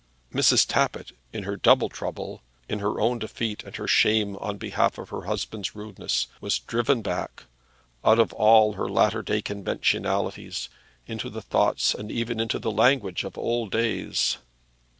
Mrs. Tappitt, in her double trouble, in her own defeat and her shame on behalf of her husband's rudeness, was driven back, out of all her latter day conventionalities, into the thoughts and even into the language of old days.